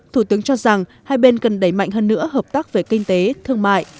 thủ tướng cho rằng hai bên cần đẩy mạnh hơn nữa hợp tác về kinh tế thương mại